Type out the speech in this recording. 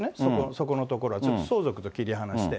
そこのところは、相続とは切り離して。